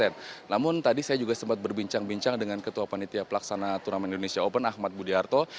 namun tadi saya juga sempat berbincang bincang dengan ketua panitia pelaksana turnamen indonesia open ahmad budiarto